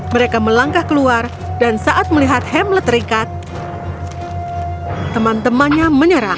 mereka melangkah keluar dan saat melihat hamlet terikat teman temannya menyerang